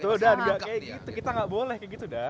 tuh dan kayak gitu kita gak boleh kayak gitu dan